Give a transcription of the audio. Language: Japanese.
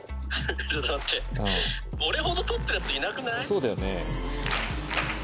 そうだよね。